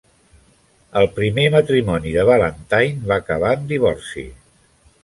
El primer matrimoni de Ballantine va acabar en divorci.